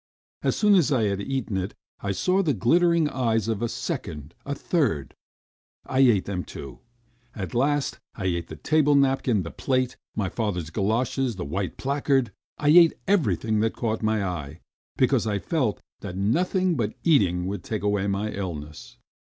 As soon as I had eaten one, I saw the glittering eyes of a second, a third ... I ate them too. ... At last I ate the table napkin, the plate, my father's goloshes, the white placard ... I ate everything that caught my eye, because I felt that nothing but eating would take away my illness.